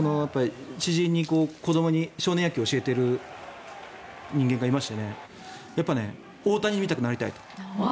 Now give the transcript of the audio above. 知人に子どもに少年野球を教えている人間がいまして大谷みたいになりたいと。